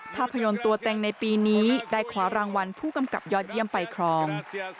ภาพยนตร์ตัวเต็งในปีนี้ได้คว้ารางวัลผู้กำกับยอดเยี่ยมไปครอง